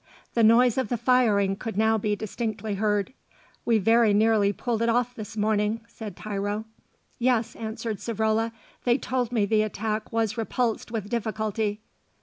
The noise of the firing could now be distinctly heard. "We very nearly pulled it off this morning," said Tiro. "Yes," answered Savrola; "they told me the attack was repulsed with difficulty."